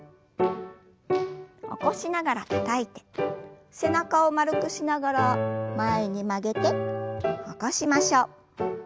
起こしながらたたいて背中を丸くしながら前に曲げて起こしましょう。